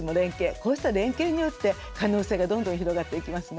こうした連携によって可能性がどんどん広がっていきますね。